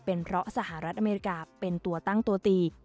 เป็นเพราะสหรัฐอเมริกาเป็นตัวตั้งตัวตี